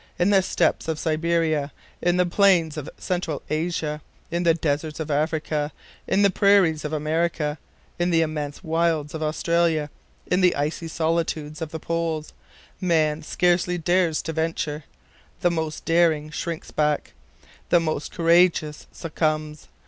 In the steppes of Siberia, in the plains of Central Asia, in the deserts of Africa, in the prairies of America, in the immense wilds of Australia, in the icy solitudes of the Poles, man scarcely dares to venture; the most daring shrinks back, the most courageous succumbs.